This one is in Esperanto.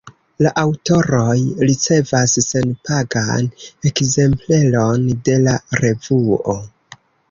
La aŭtoroj ricevas senpagan ekzempleron de la revuo.